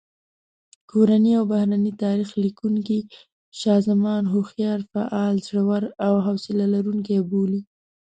کورني او بهرني تاریخ لیکونکي شاه زمان هوښیار، فعال، زړور او حوصله لرونکی بولي.